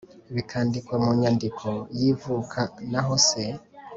Bikandikwa Mu Nyandiko Y Ivuka Naho Se